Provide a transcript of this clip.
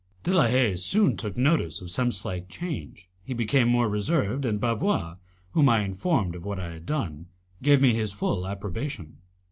De la Haye soon took notice of some slight change; he became more reserved, and Bavois, whom I informed of what I had done, gave me his full approbation.